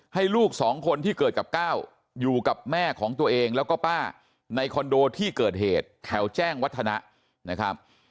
ลูกสองคนที่เกิดกับก้าวอยู่กับแม่ของตัวเองแล้วก็ป้าในคอนโดที่เกิดเหตุแถวแจ้งวัฒนะนะครับ